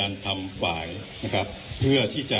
คุณผู้ชมไปฟังผู้ว่ารัฐกาลจังหวัดเชียงรายแถลงตอนนี้ค่ะ